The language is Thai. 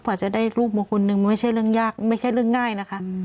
กว่าจะได้ลูกมาคนหนึ่งไม่ใช่เรื่องยากไม่ใช่เรื่องง่ายนะคะ